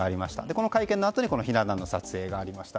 この会見のあとにひな壇の撮影がありました。